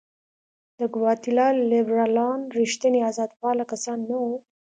د ګواتیلا لیبرالان رښتیني آزادپاله کسان نه وو.